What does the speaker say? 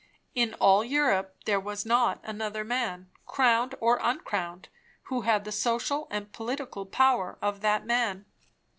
In all Europe there was not another man, crowned or uncrowned, who had the social and political power of that man.